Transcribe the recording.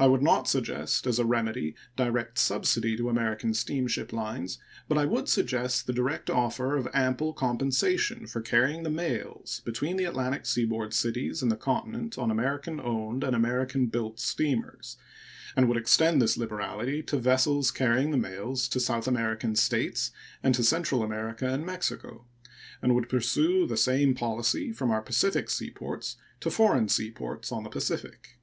I would not suggest as a remedy direct subsidy to American steamship lines, but I would suggest the direct offer of ample compensation for carrying the mails between Atlantic Seaboard cities and the Continent on American owned and American built steamers, and would extend this liberality to vessels carrying the mails to South American States and to Central America and Mexico, and would pursue the same policy from our Pacific seaports to foreign seaports on the Pacific.